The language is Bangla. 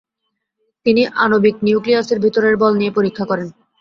তিনি আণবিক নিউক্লিয়াসের ভিতরের বল নিয়ে পরীক্ষা করেন।